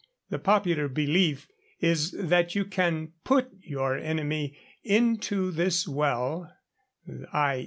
The popular belief is that you can 'put' your enemy 'into' this well, i.